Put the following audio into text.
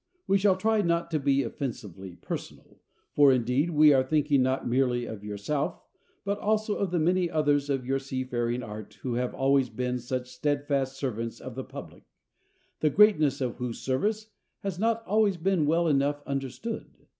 We shall try not to be offensively personal, for indeed we are thinking not merely of yourself but also of the many others of your seafaring art who have always been such steadfast servants of the public, the greatness of whose service has not always been well enough understood.